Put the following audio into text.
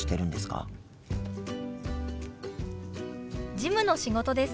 事務の仕事です。